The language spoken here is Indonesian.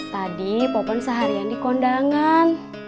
tadi popon seharian dikondangan